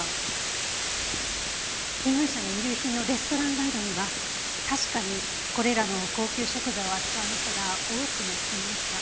被害者の遺留品のレストランガイドには確かにこれらの高級食材を扱う店が多く載っていました。